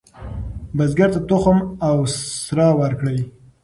بزګر ته تخم او سره ورکړئ.